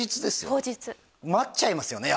当日待っちゃいますよね